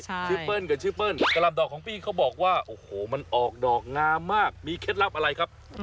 ชื่อเปิ้ลกับชื่อเปิ้ลกะลำดอกของพี่เขาบอกว่าโอ้โหมันออกดอกงามมากมีเคล็ดลับอะไรครับ